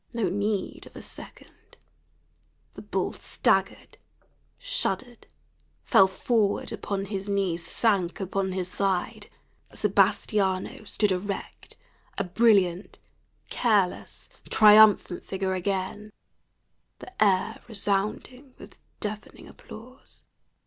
No need of a second; the bull staggered, shuddered, fell forward upon his knees, sank upon his side. Sebastiano stood erect, a brilliant, careless, triumphant figure again, the air resounding with deafening applause.